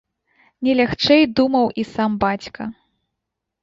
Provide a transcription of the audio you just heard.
Не лягчэй думаў і сам бацька.